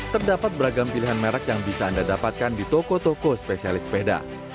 terdapat beragam pilihan merek yang bisa anda dapatkan di toko toko spesialis sepeda